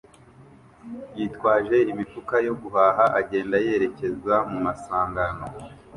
yitwaje imifuka yo guhaha agenda yerekeza mu masangano